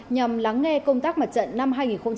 nhằm lắng nghe công tác mặt trận năm hai nghìn một mươi tám